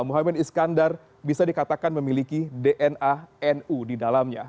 muhaymin iskandar bisa dikatakan memiliki dna nu di dalamnya